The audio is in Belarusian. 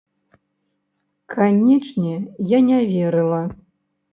Канечне, я не верыла.